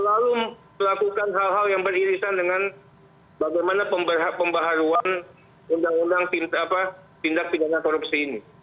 selalu melakukan hal hal yang beririsan dengan bagaimana pembaharuan undang undang tindak pidana korupsi ini